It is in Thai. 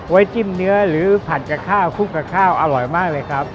จิ้มเนื้อหรือผัดกับข้าวคลุกกับข้าวอร่อยมากเลยครับ